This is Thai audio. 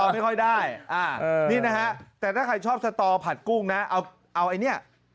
ไม่ค่อยได้นี่นะฮะแต่ถ้าใครชอบสตอผัดกุ้งนะเอาไอ้เนี่ย